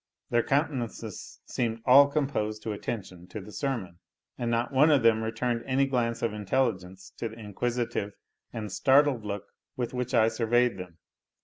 Their countenances seemed all composed to attention to the sermon, and not one of them returned any glance of intelligence to the inquisitive and startled look with which I surveyed them.